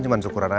siapa tuh kan dia